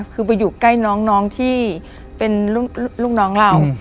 คือไปอยู่ใกล้น้องที่เป็นลูกน้องเรา